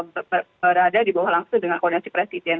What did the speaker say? berada di bawah langsung dengan koordinasi presiden